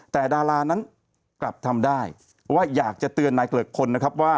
แต่ดารานั้นกลับทำได้ว่าอยากจะเตือนนายเกลิกคนนะครับว่า